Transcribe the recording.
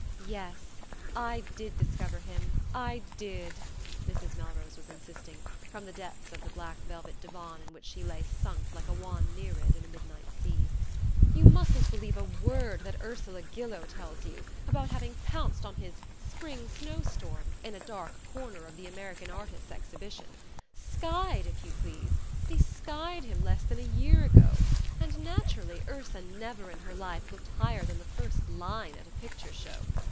"Yes, I did discover him I did," Mrs. Melrose was insisting, from the depths of the black velvet divan in which she lay sunk like a wan Nereid in a midnight sea. "You mustn't believe a word that Ursula Gillow tells you about having pounced on his 'Spring Snow Storm' in a dark corner of the American Artists' exhibition skied, if you please! They skied him less than a year ago! And naturally Ursula never in her life looked higher than the first line at a picture show.